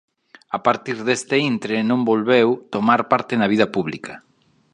A partir deste intre non volveu tomar parte na vida pública.